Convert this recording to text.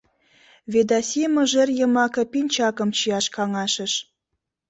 Ведаси мыжер йымаке пинчакым чияш каҥашыш.